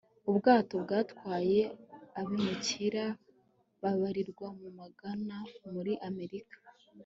ubwato bwatwaye abimukira babarirwa mu magana muri amerika